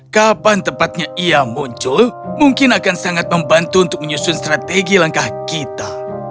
kapan tepatnya ia muncul mungkin akan sangat membantu untuk menyusun strategi langkah kita